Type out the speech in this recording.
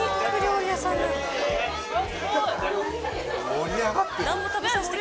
盛り上がってる。